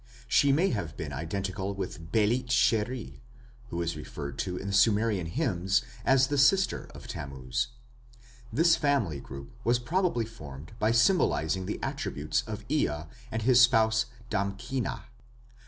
She may have been identical with Belit sheri, who is referred to in the Sumerian hymns as the sister of Tammuz. This family group was probably formed by symbolizing the attributes of Ea and his spouse Damkina.